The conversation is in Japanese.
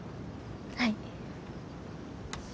はい。